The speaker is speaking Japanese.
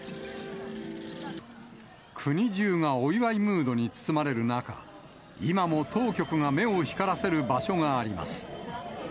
国中がお祝いムードに包まれる中、今も当局が目を光らせる場所があります。